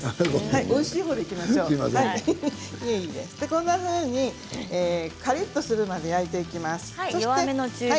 こんなふうにカリっとするまで焼いていきます。